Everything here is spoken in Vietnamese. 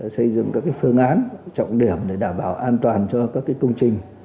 xây dựng các phương án trọng điểm để đảm bảo an toàn cho các công trình